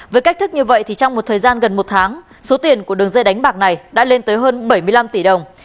với cách thức như vậy thì trong một thời gian gần một tháng số tiền của đường dây đánh bạc này đã lên tới hơn bảy mươi năm tỷ đồng